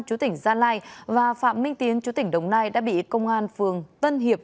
chủ tỉnh gia lai và phạm minh tiến chủ tỉnh đồng nai đã bị công an phường tân hiệp